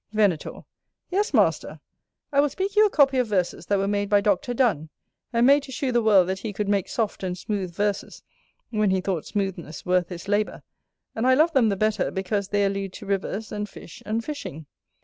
Venator. Yes, master, I will speak you a copy of verses that were made by Doctor Donne, and made to shew the world that he could make soft and smooth verses, when he thought smoothness worth his labour: and I love them the better, because they allude to Rivers, and Fish and Fishing.